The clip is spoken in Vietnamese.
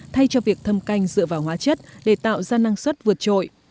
thay cho việc thâm canh dựa vào hóa chất để tạo ra năng suất vượt trội